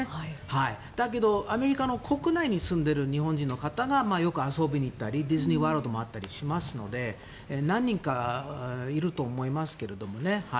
だけど、アメリカの国内に住んでいる日本人の方がよく遊びに行ったりディズニーワールドもあったりしますので何人かいると思いますけどね。